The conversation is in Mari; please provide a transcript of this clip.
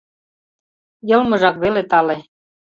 Йылмыжак веле тале.